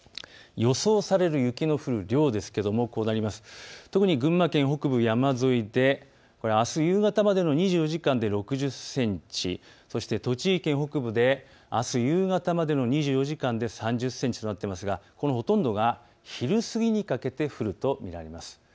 予想される雪の降る量ですが特に群馬県北部山沿いであす夕方までの２４時間で６０センチ、栃木県北部であす夕方までの２４時間で３０センチとなっていますが、このほとんどが昼過ぎにかけて降ると見られます。